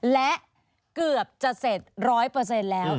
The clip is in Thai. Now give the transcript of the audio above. และเกือบจะเสร็จร้อยเปอร์เซ็นต์แล้ว